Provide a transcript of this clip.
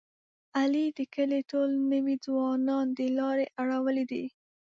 علي د کلي ټول نوی ځوانان د لارې اړولي دي.